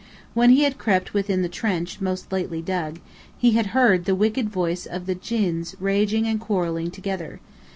When he had crept within the trench most lately dug, he had heard the wicked voice of the djinns raging and quarrelling together.